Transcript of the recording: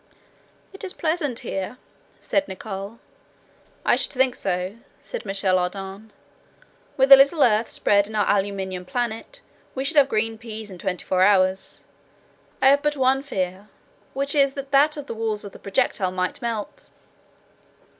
"It is pleasant here," said Nicholl. "I should think so," said Michel Ardan. "With a little earth spread on our aluminum planet we should have green peas in twenty four hours. I have but one fear, which is that the walls of the projectile might melt."